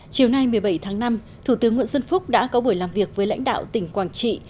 chiều nay một mươi bảy tháng năm thủ tướng nguyễn xuân phúc đã có buổi làm việc với lãnh đạo tỉnh quảng trị